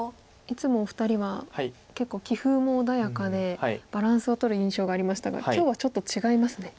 いつもお二人は結構棋風も穏やかでバランスをとる印象がありましたが今日はちょっと違いますね。